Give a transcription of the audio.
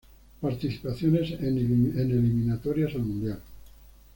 Participaciones en Eliminatorias al Mundial